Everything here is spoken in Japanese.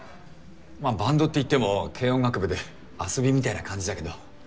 まあバンドって言っても軽音楽部で遊びみたいな感じだけど。